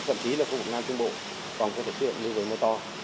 thậm chí là khu vực nam trung bộ còn có thể thiết hiện những cơn mưa to